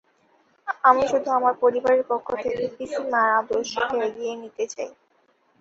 আমি শুধু আমার পরিবারের পক্ষ থেকে পিসিমার আদর্শকে এগিয়ে নিতে চাই।